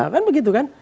kan begitu kan